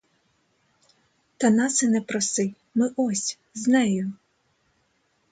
Та нас і не проси; ми, ось, з нею.